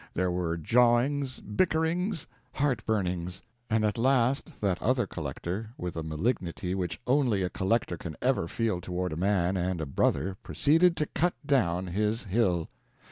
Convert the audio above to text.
There were jawings, bickerings, heart burnings. And at last that other collector, with a malignity which only a collector can ever feel toward a man and a brother, proceeded to cut down his hill!